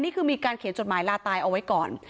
คงมีการเขียนจดหมายลาตายนี้เอาไว้ก่อน